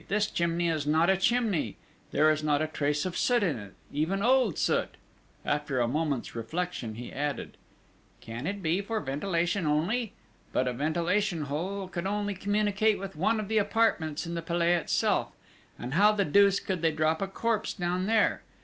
This chimney is not a chimney; there is not a trace of soot on it, even old soot!" After a moment's reflection, he added: "Can it be for ventilation only? But a ventilation hole could only communicate with one of the apartments in the Palais itself, and how the deuce could they drop a corpse down there?